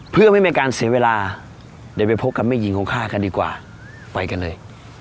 เพื่อไม่มีการเสียเวลาเดี๋ยวไปพบกับแม่หญิงของข้ากันดีกว่าไปกันเลย